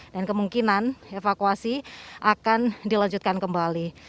dan kemungkinan evakuasi akan dilanjutkan kembali